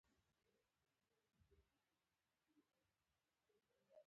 زه هر سهار ښوونځي ته در تدریس لپاره ځم